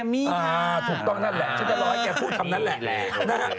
ถูกต้องนั่นแหละฉันจะรอให้แกพูดคำนั้นแหละนะฮะ